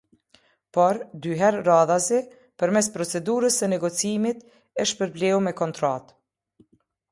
Por, dy herë radhazi, përmes procedurës së negocimit, e shpërbleu me kontratë.